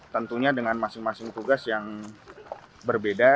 tentunya dengan masing masing tugas yang berbeda